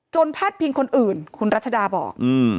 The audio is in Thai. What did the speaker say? พาดพิงคนอื่นคุณรัชดาบอก